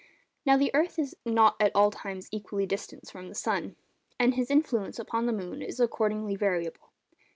Now the earth is not at all times equally distant from the sun, and his influence upon the moon is accordingly variable.